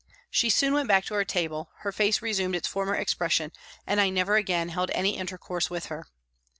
She soon went back to her table, her face resumed its former expression and I never again held any inter course with her.